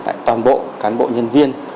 tại toàn bộ cán bộ nhân viên